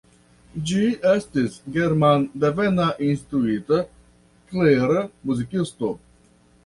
Li estis germandevena instruita, klera muzikisto.